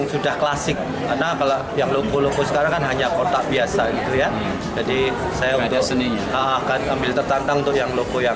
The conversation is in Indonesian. sampai ketemu di kota madiun